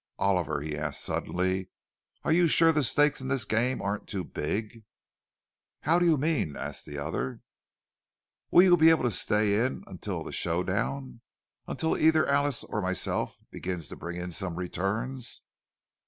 "Oliver," he asked suddenly, "are you sure the stakes in this game aren't too big?" "How do you mean?" asked the other. "Will you be able to stay in until the show down? Until either Alice or myself begins to bring in some returns?"